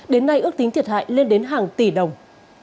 đến nay ước tính thiệt hại lên đến hàng tỷ đồng